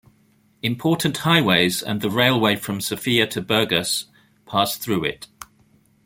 Important highways and the railway from Sofia to Burgas pass through it.